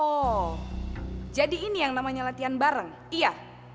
oh jadi ini yang namanya latihan bareng iya